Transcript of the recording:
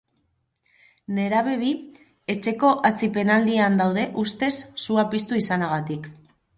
Nerabe bi etxeko atzipenaldian daude ustez sua piztu izanagatik.